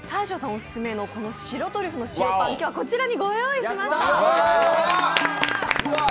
オススメの白トリュフの塩パン、今日はこちらにご用意しました。